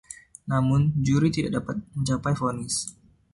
Namun, juri tidak dapat mencapai vonis.